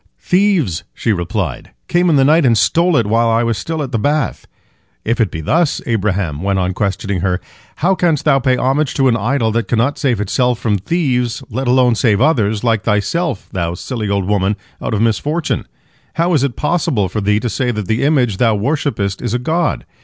"Thieves," she replied, "came in the night and stole it, while I was still at the bath." "If it be thus," Abraham went on questioning her, "how canst thou pay homage to an idol that cannot save itself from thieves, let alone save others, like thyself, thou silly old woman, out of misfortune? How is it possible for thee to say that the image thou worshippest is a god?